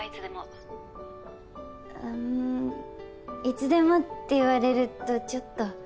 いつでもって言われるとちょっと。